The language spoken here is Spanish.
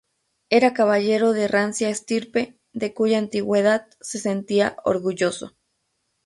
Era caballero de rancia estirpe, de cuya antigüedad se sentía orgulloso.